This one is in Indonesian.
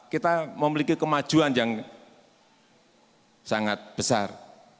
kita memiliki kemajuan yang sangat besar